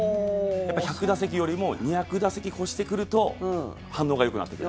１００打席よりも２００打席超してくると反応がよくなってくる。